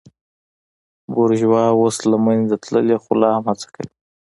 بورژوا اوس له منځه تللې خو لا هم هڅه کوي.